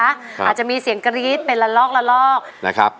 อาจจะมีเสียงกรี๊ดเป็นละลอกละลอกนะครับ